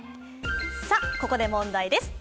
ここで問題です。